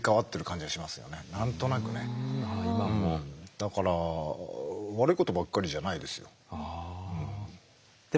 だから悪いことばっかりじゃないですよ。